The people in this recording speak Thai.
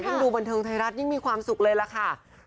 ดูบันเทิงไทยรัฐยิ่งมีความสุขเลยล่ะค่ะ